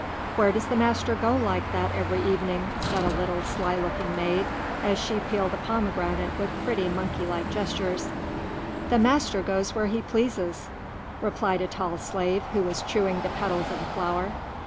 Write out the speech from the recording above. "Where does the master go like that every evening?" said a little, sly looking maid, as she peeled a pomegranate with pretty, monkey like gestures. "The master goes where he pleases," replied a tall slave, who was chewing the petals of a flower.